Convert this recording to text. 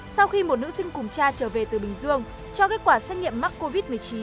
sau khi một nữ sinh cùng cha trở về từ bình dương cho kết quả xét nghiệm mắc covid một mươi chín